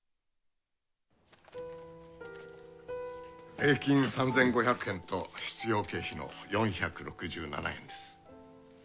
礼金３，５００円と必要経費の４６７円です。